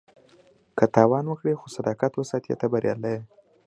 که تاوان وکړې خو صداقت وساتې، ته بریالی یې.